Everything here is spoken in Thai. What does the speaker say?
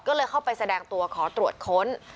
ก็เลยเข้าไปแสดงตัวขอตรวจค้น